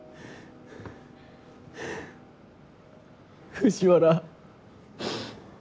藤原。